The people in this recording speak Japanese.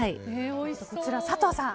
こちら佐藤さん